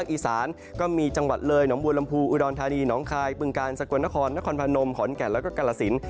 อีสานก็มีจังหวัดเลยหนองบัวลำพูอุดรธานีน้องคายบึงกาลสกลนครนครพนมขอนแก่นแล้วก็กรสิน